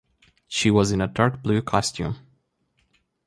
She was in a dark blue costume.